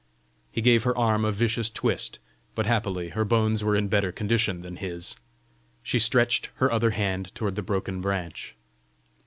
He gave her arm a vicious twist, but happily her bones were in better condition than his. She stretched her other hand toward the broken branch.